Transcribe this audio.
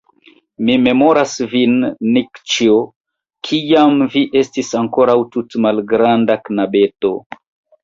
Mi memoras vin, Nikĉjo, kiam vi estis ankoraŭ tute malgranda knabeto.